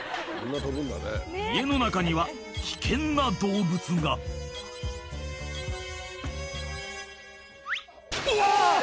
家の中には危険な動物がうわ！